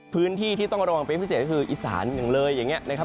พื้นที่ที่ต้องระวังเป็นพิเศษก็คืออีสานอย่างเลยอย่างนี้นะครับ